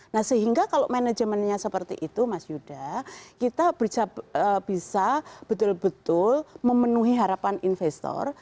nah sehingga kalau manajemennya seperti itu mas yuda kita bisa betul betul memenuhi harapan investor